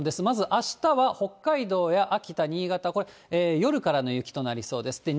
まずあしたは北海道や秋田、新潟、これは夜からの雪となりそうです。